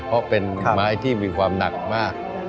เพราะเป็นไม้ที่มีความหนักมาก